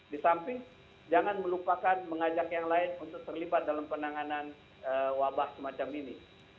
di samping jangan melupakan mengajak yang lain untuk terlibat dalam penanganan wabah semacam ini